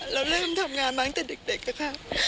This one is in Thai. เราเริ่มทำงานมาตั้งแต่เด็กค่ะ